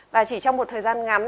và chỉ trong một thời gian ngắn